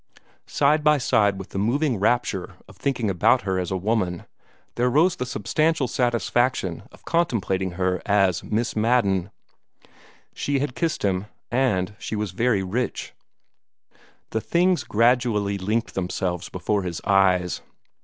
Side by side with the moving rapture of thinking about her as a woman, there rose the substantial satisfaction of contemplating her as Miss Madden. She had kissed him, and she was very rich. The things gradually linked themselves before his eyes.